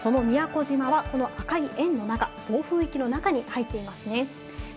さあ、その宮古島は、この赤い円の中、暴風域の中に入っていますね。